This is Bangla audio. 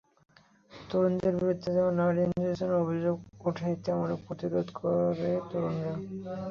তরুণদের বিরুদ্ধে যেমন নারী নির্যাতনের অভিযোগ ওঠে, তেমন প্রতিরোধও করে তরুণেরা।